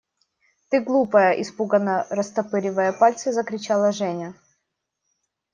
– Ты, глупая! – испуганно растопыривая пальцы, закричала Женя.